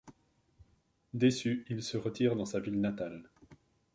Déçu, il se retire dans sa ville natale.